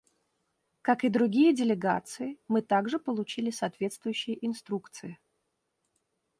Как и другие делегации, мы также получили соответствующие инструкции.